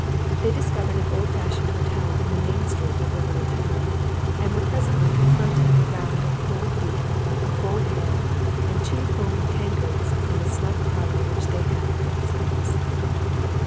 They discovered an old fashioned hotel in the main street of the little town, and were presently confronting a round of cold beef, a cold ham, and two foaming tankards, in the snug parlour which they had to themselves.